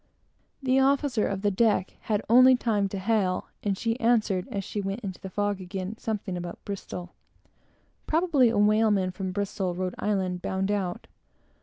The officer of the deck had only time to hail, and she answered, as she went into the fog again, something about Bristol probably, a whaleman from Bristol, Rhode Island, bound out.